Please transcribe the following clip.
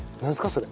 それ。